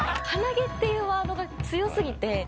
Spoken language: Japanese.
鼻毛っていうワードが強すぎて。